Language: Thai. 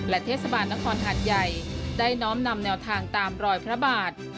เทศบาลนครหาดใหญ่ได้น้อมนำแนวทางตามรอยพระบาท